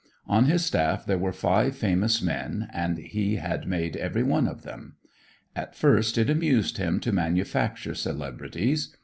On his staff there were five famous men, and he had made every one of them. At first it amused him to manufacture celebrities.